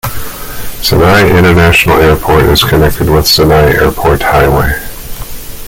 Senai International Airport is connected with Senai Airport Highway.